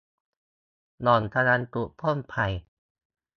หล่อนกำลังปลูกต้นไผ่